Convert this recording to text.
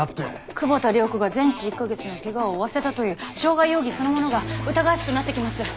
久保田涼子が全治１カ月の怪我を負わせたという傷害容疑そのものが疑わしくなってきます！